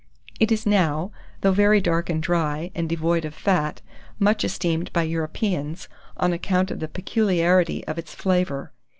It is now, though very dark and dry, and devoid of fat, much esteemed by Europeans, on account of the peculiarity of its flavour.